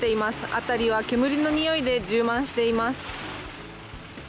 辺りは煙のにおいで充満しています。